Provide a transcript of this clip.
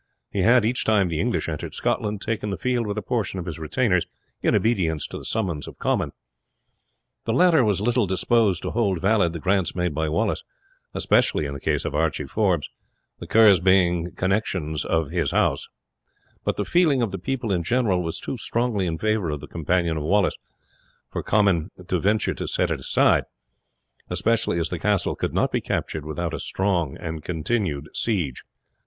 He had, each time the English entered Scotland, taken the field with a portion of his retainers, in obedience to the summons of Comyn. The latter was little disposed to hold valid the grants made by Wallace, especially in the case of Archie Forbes, the Kerrs being connections of his house; but the feeling of the people in general was too strongly in favour of the companion of Wallace for him to venture to set it aside, especially as the castle could not be captured without a long continued siege.